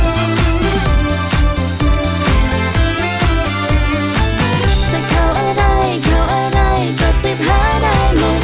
จะเข้าอะไรเข้าอะไรก็จะหาได้หมด